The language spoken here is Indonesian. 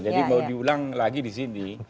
jadi mau diulang lagi disini